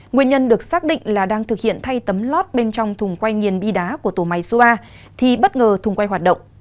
nguyên nhân được xác định là đang thực hiện thay tấm lót bên trong thùng quay nghiền bi đá của tổ máy số ba thì bất ngờ thùng quay hoạt động